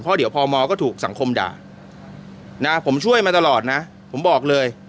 เพราะเดี๋ยวพมก็ถูกสังคมด่านะผมช่วยมาตลอดนะผมบอกเลย